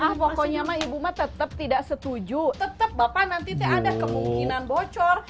ah pokoknya sama ibu ma tetap tidak setuju tetap bapak nanti ada kemungkinan bocor